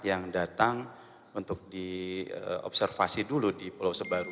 yang datang untuk diobservasi dulu di pulau sebaru